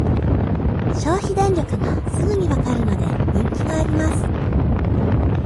消費電力がすぐにわかるので人気があります